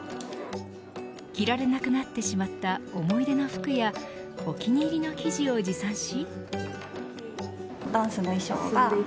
着られなくなってしまった思い出の服やお気に入りの生地を持参し。